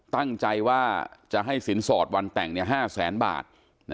ตั้งใจว่าจะให้สินสอดวันแต่ง๕แสนบาท